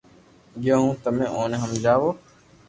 گيو ھون تمي اووني ھمجاوو